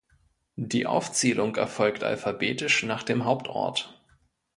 Die Aufzählung erfolgt alphabetisch nach dem Hauptort.